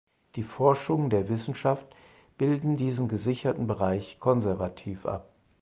Die Forschungen der Wissenschaft bilden diesen gesicherten Bereich konservativ ab.